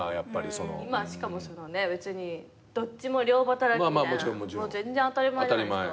今しかも別にどっちも両働きみたいな全然当たり前じゃないですか。